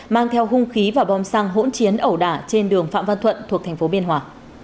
mang theo hung khí và bom xăng hỗn chiến ẩu đả trên đường phạm văn thuận thuộc thành phố biên hòa